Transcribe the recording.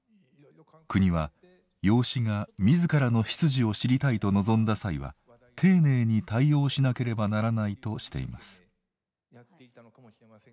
国は養子が自らの出自を知りたいと望んだ際は丁寧に対応しなければならないとしています。